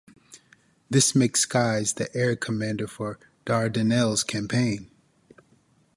This made Sykes the air commander for the Dardanelles Campaign.